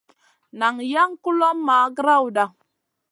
Nan jaŋ kulomʼma grawda.